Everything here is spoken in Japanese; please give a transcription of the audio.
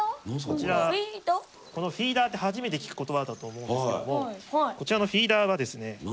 このフィーダーって初めて聞く言葉だと思うんですけどもこちらのフィーダーはですね